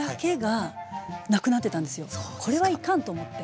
これはいかんと思って。